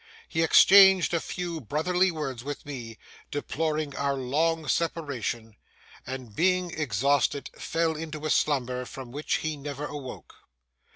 He exchanged a few brotherly words with me, deploring our long separation; and being exhausted, fell into a slumber, from which he never awoke.